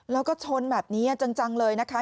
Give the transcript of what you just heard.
แล้วก็ชนแบบนี้จังเลยนะคะ